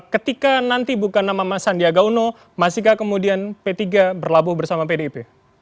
ketika nanti bukan nama sandiaga uno masihkah kemudian p tiga berlabuh bersama pdip